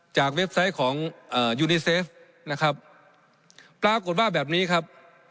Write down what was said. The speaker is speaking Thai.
เว็บไซต์ของยูนิเซฟนะครับปรากฏว่าแบบนี้ครับ